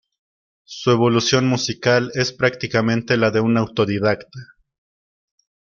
Su evolución musical es prácticamente la de un autodidacta.